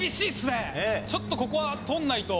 ちょっとここは取んないと。